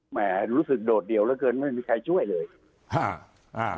แหมรู้สึกโดดเดี่ยวเหลือเกินไม่มีใครช่วยเลยอ่า